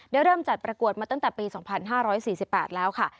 เริ่มจัดประกวดมาตั้งแต่ปี๒๕๔๘แล้วค่ะ